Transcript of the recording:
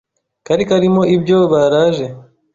kari karimo ibyo baraje.